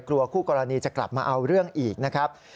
กลัวคู่กรณีจะกลับมาเอาเรื่องอีกนะครับ